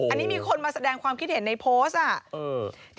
อันนี้มีคนมาแสดงความคิดเห็นในโพสต์อ่ะ